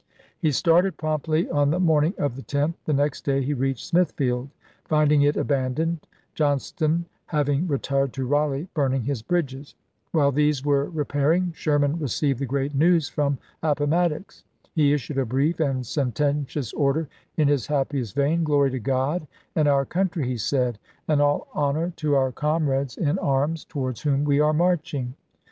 He started promptly on the morning of the 10th; the next day he reached Smithfield, find ing it abandoned, Johnston having retired to Raleigh, burning his bridges. While these were repairing, Sherman received the great news from Appomattox. He issued a brief and sententious order in his happiest vein :" Glory to God and our country," he said, " and all honor to our comrades in arms toward whom we are marching!